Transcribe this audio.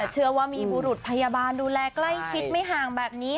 เชื่อว่ามีบุรุษพยาบาลดูแลใกล้ชิดไม่ห่างแบบนี้